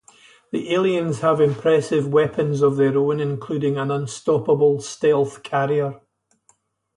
The aliens have impressive weapons of their own, including an unstoppable stealth carrier.